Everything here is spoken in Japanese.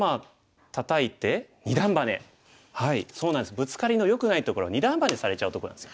ブツカリのよくないところは二段バネされちゃうとこなんですよ。